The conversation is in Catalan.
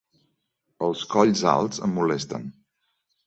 Els colls alts em molesten.